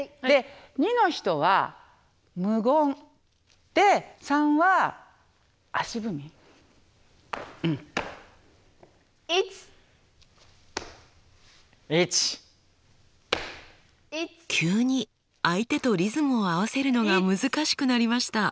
急に相手とリズムを合わせるのが難しくなりました。